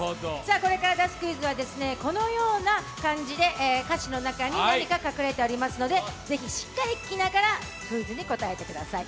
これから出すクイズはこのような感じで、歌詞の中に何か隠れておりますのでぜひしっかり聴きながらクイズに答えてください。